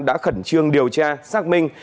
đã khẩn trương điều tra xác minh